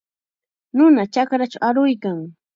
Nuna chakrachaw aruykan.